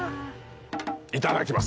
いただきます！